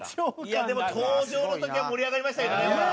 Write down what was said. いやでも登場の時は盛り上がりましたけどね。